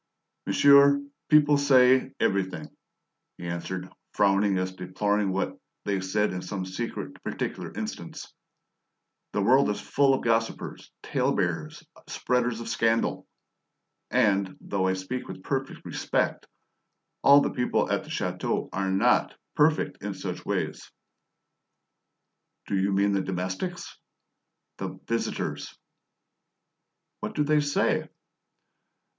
"Monsieur, people say everything," he answered, frowning as if deploring what they said in some secret, particular instance. "The world is full of idle gossipers, tale bearers, spreaders of scandal! And, though I speak with perfect respect, all the people at the chateau are not perfect in such ways." "Do you mean the domestics?" "The visitors!" "What do they say?"